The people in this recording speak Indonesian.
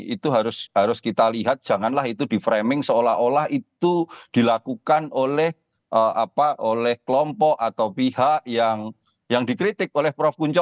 itu harus kita lihat janganlah itu di framing seolah olah itu dilakukan oleh kelompok atau pihak yang dikritik oleh prof punca